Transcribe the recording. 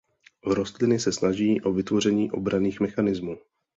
Rostliny se snaží o vytvoření obranných mechanismů.